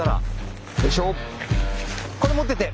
これ持ってて。